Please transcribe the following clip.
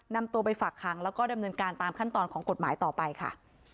นำตัวไปฝากขังแล้วก็ดำเนินการตามขั้นตอนของกฎหมายต่อไปค่ะ